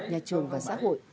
nhà trường và xã hội